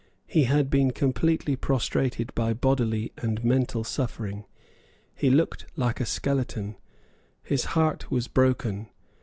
He had been completely prostrated by bodily and mental suffering. He looked like a skeleton. His heart was broken.